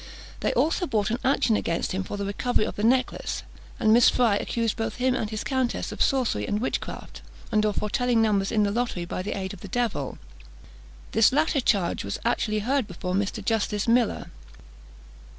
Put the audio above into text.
They also brought an action against him for the recovery of the necklace; and Miss Fry accused both him and his countess of sorcery and witchcraft, and of foretelling numbers in the lottery by the aid of the Devil. This latter charge was actually heard before Mr. Justice Miller.